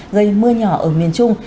gây mưa nhỏ ở miền trung